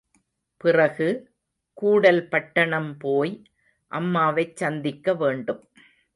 பிறகு, கூடல் பட்டணம் போய், அம்மாவைச் சந்திக்க வேண்டும்.